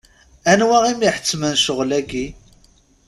Anwa i m-iḥettmen ccɣel-agi?